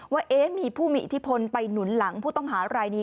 ว่ามีผู้มีอิทธิพลไปหนุนหลังผู้ต้องหารายนี้